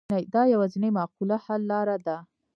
دا یوازینۍ معقوله حل لاره ده.